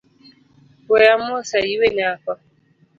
Weya mos ayue nyako